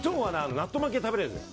納豆巻きは食べられるんです。